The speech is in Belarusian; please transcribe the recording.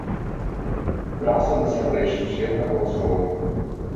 Траса насамрэч сусветнага узроўню.